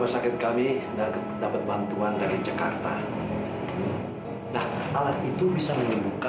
ya secepatnya mungkin dalam dua tiga hari ini